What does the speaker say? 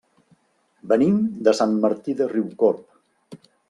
Venim de Sant Martí de Riucorb.